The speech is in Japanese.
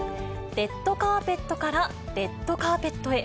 レッドカーペットからレッドカーペットへ。